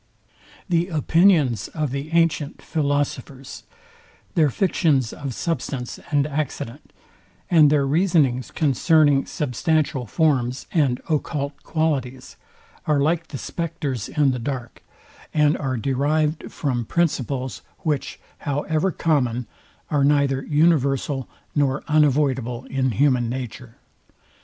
The opinions of the antient philosophers, their fictions of substance and accident, and their reasonings concerning substantial forms and occult qualities, are like the spectres in the dark, and are derived from principles, which, however common, are neither universal nor unavoidable in human nature.